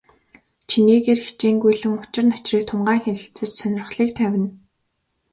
Чинээгээр хичээнгүйлэн учир начрыг тунгаан хэлэлцэж, сонирхлыг тавина.